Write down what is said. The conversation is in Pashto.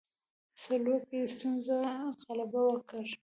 سلوکي ستونزو غلبه وکړي.